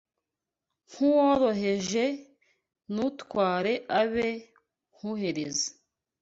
nk’uworoheje, n’utwara abe nk’uhereza